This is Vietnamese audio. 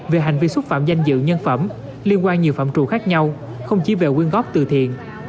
về hành vi xúc phạm danh dự nhân phẩm liên quan nhiều phạm trù khác nhau không chỉ về quyên góp từ thiện